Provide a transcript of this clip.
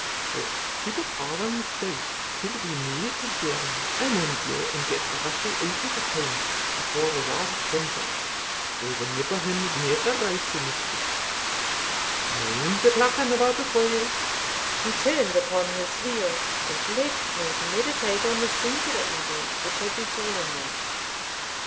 But keep a calm sough till we meet again I maun gae and get Rashleigh out o' the town afore waur comes o't, for the neb o' him's never out o' mischief Mind the Clachan of Aberfoil." He turned upon his heel, and left me to meditate on the singular events which had befallen me.